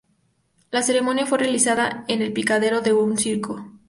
La ceremonia fue realizada en el picadero de un circo.